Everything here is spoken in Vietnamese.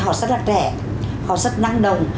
họ rất là trẻ họ rất năng đồng